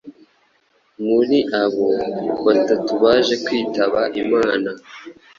Muri abo, batatu baje kwitaba Imana